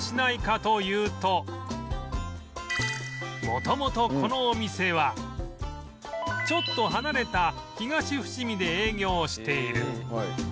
元々このお店はちょっと離れた東伏見で営業している